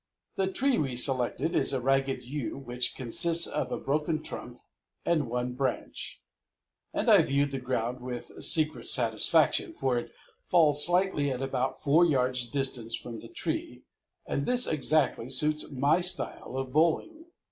The tree we selected is a ragged yew which consists of a broken trunk and one branch, and I viewed the ground with secret satisfaction, for it falls slightly at about four yards' distance from the tree, and this exactly suits my style of bowling.